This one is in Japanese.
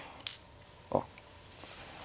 あっ。